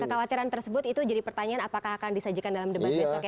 kekhawatiran tersebut itu jadi pertanyaan apakah akan disajikan dalam debat besok